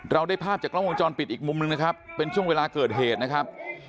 ได้ภาพจากกล้องวงจรปิดอีกมุมหนึ่งนะครับเป็นช่วงเวลาเกิดเหตุนะครับ